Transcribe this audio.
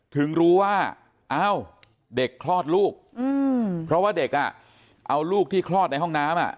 ถึงรู้ว่าอ้าวเด็กคลอดลูกเพราะว่าเด็กเอาลูกที่คลอดในห้องน้ำ